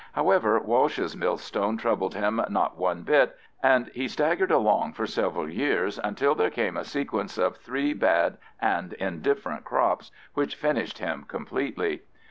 However, Walsh's millstone troubled him not one bit, and he "staggered" along for several years until there came a sequence of three bad and indifferent crops, which finished him completely.